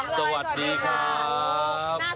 สวัสดีครับ